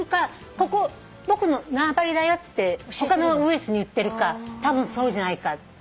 ここ僕の縄張りだよって他のウグイスに言ってるかたぶんそうじゃないか。